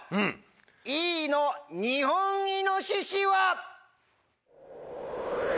Ｅのニホンイノシシは！